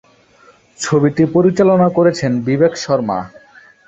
ছবিটি পরিচালনা করেছেন বিবেক শর্মা।